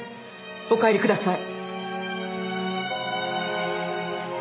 お帰りください。